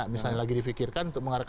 misalnya lagi di fikirkan untuk mengarahkan